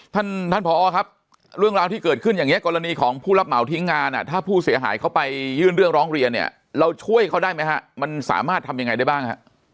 ท่านท่านพอครับเรื่องราวที่เกิดขึ้นอย่างนี้กรณีของผู้รับเหมาทิ้งงานถ้าผู้เสียหายเขาไปยื่นเรื่องร้องเรียนเนี่ยเราช่วยเขาได้ไหมฮะมันสามารถทำยังไงได้บ้างฮะ